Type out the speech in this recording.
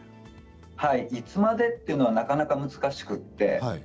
いつまでというのはなかなか難しいです。